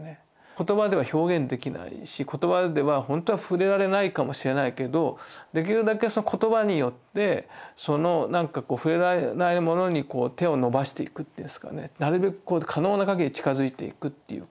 言葉では表現できないし言葉では本当は触れられないかもしれないけどできるだけ言葉によってそのなんか触れられないものに手を伸ばしていくっていうんですかねなるべく可能なかぎり近づいていくっていうか。